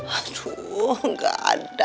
aduh gak ada